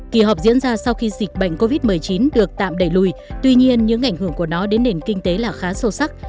kỳ họp diễn ra sau khi dịch bệnh covid một mươi chín được tạm đẩy lùi tuy nhiên những ảnh hưởng của nó đến nền kinh tế là khá sâu sắc